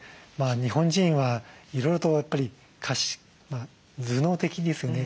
日本人はいろいろとやっぱり頭脳的ですよね。